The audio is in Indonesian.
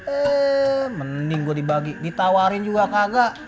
eh mending gua dibagi ditawarin juga kagak